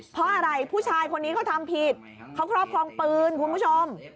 เพราะอะไรผู้ชายคนนี้เขาทำผิดเขาครอบครองปืนคุณผู้ชม